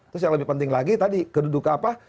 terus yang lebih penting lagi tadi kedudukan apa